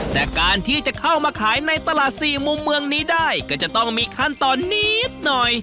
แต่การที่จะเข้ามาขายในตลาดสี่มุมเมืองนี้ได้ก็จะต้องมีขั้นตอนนิดหน่อย